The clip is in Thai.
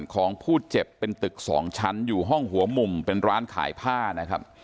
ของผู้เจ็บเป็นตึกสองชั้นอยู่ห้องหัวมุมเป็นร้านขายผ้านะครับ